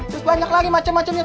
terus banyak lagi macem macemnya